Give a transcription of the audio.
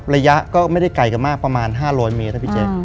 ระยะก็ไม่ได้ไกลกันมากประมาณ๕๐๐เมตรนะพี่แจ๊ค